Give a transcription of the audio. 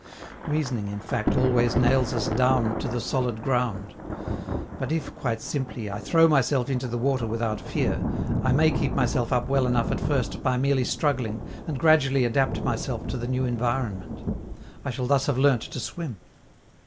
Reasoning, in fact, always nails us down to the solid ground. But if, quite simply, I throw myself into the water without fear, I may keep myself up well enough at first by merely struggling, and gradually adapt myself to the new environment: I shall thus have learnt to swim.